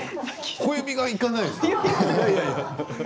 小指が、いかないのよ。